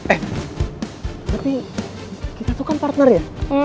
eh tapi kita tuh kan partner ya